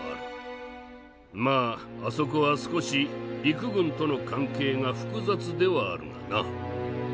まああそこは少し陸軍との関係が複雑ではあるがな。